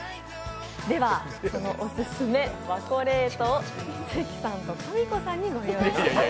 では、そのオススメ、ＷＡＣＯＬＡＴＥを関さんとかみこさんにご用意しています。